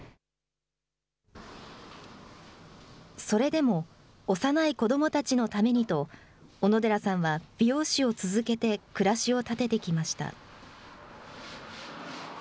それでも幼い子どもたちのためにと、小野寺さんは美容師を続けて暮らしを立ててきました。